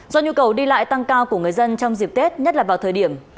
do nhu cầu đi lại tăng cao của người dân trong dịp tết nhất là vào thời điểm